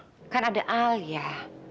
mungkin karena dia gak punya apa apa cak galia mak